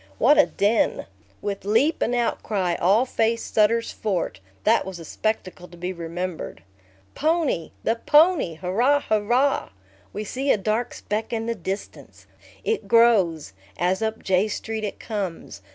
What a din! With leap and outcry, all faced Sutter's Fort. That was a spectacle to be remembered. Pony! The pony, hurrah, hurrah! We see a dark speck in the distance. It grows, as up J Street it comes.